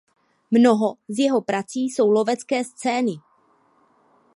Mnoho z jeho prací jsou lovecké scény.